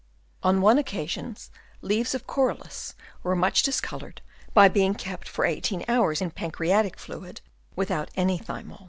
On one occasion leaves of Corylus were much dis coloured by being kept for eighteen hours in pancreatic fluid, without any thymol.